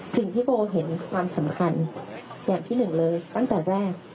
สิ่งที่โบเห็นความสำคัญอย่างที่หนึ่งเลยตั้งแต่แรก